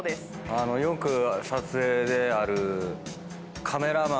よく撮影である。